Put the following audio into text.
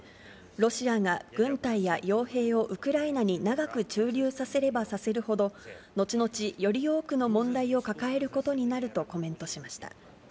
ロシアが軍隊やよう兵をウクライナに長く駐留させればさせるほど、後々、より多くの問題を抱えることになると、コメントしました。